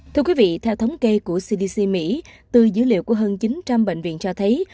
thưa quý vị theo thống kê của cdc mỹ từ dữ liệu của hơn chín trăm linh bệnh viện cho thấy